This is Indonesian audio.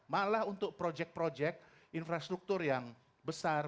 malah untuk project project infrastruktur yang besar